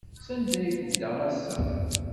Sanda ay tedda ass-a?